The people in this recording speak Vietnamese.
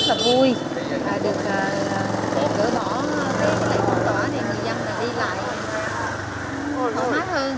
được gỡ bỏ các loại phong tỏa thì người dân lại đi lại hơn